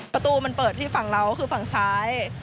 ประตูมันเปิดที่ฝั่งเราก็คือฝั่งซ้าย